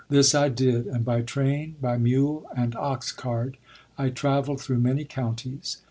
This I did; and by train, by mule and ox cart, I traveled through many counties.